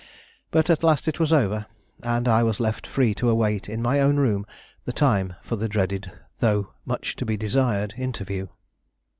But at last it was over, and I was left free to await in my own room the time for the dreaded though much to be desired interview.